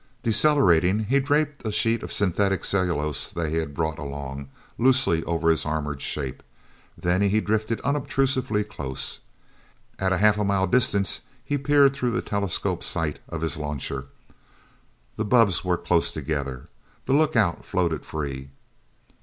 Decelerating, he draped a sheet of synthetic cellulose that he'd brought along, loosely over his armored shape. Then he drifted unobtrusively close. At a half mile distance, he peered through the telescope sight of his launcher. The bubbs were close together. The lookout floated free.